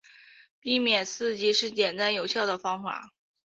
避免刺激是简单有效的方法。